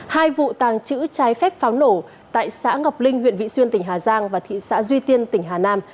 hai vụ tàng trữ trái phép pháo nổ tại xã ngọc linh huyện vị xuyên tỉnh hà giang và thị xã duy tiên tỉnh hà nam